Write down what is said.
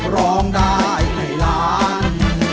ร้องได้ให้ล้าน